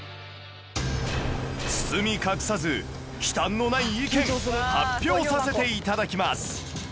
包み隠さず忌憚のない意見発表させて頂きます